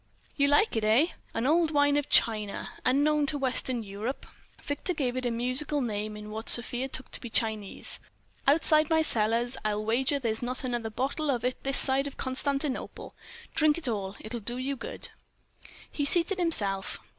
"You like it, eh? An old wine of China, unknown to Western Europe." Victor gave it a musical name in what Sofia took to be Chinese. "Outside my cellars, I'll wager there's not another bottle of it this side of Constantinople. Drink it all. It will do you good." He seated himself.